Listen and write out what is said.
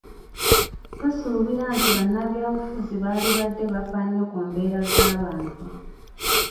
Tusuubira nti bannabyabufuzi baalibadde bafa nnyo ku mbeera z'abantu.